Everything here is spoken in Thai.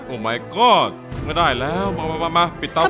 โอ้ไหมก็อดไม่ได้แล้วมาปิดเตาอ่ะ